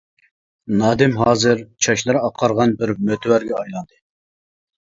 نادىم ھازىر چاچلىرى ئاقارغان بىر مۆتىۋەرگە ئايلاندى.